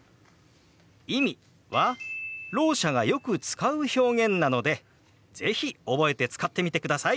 「意味」はろう者がよく使う表現なので是非覚えて使ってみてください。